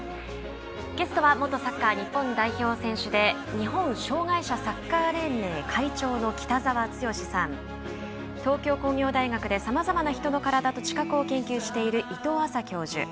ゲストは元サッカー日本代表選手で日本障がい者サッカー連盟会長の北澤豪さん東京工業大学でさまざまな人の体と知覚を研究している伊藤亜紗教授